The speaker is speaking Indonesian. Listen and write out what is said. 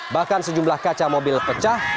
bahkan sejumlah kaca mobil pecah